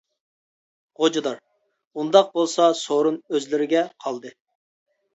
غوجىدار: ئۇنداق بولسا، سورۇن ئۆزلىرىگە قالدى!